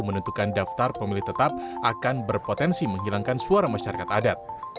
menentukan daftar pemilih tetap akan berpotensi menghilangkan suara masyarakat adat